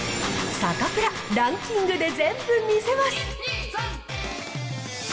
サタプラ、ランキングで全部見せます。